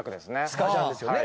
スカジャンですよね。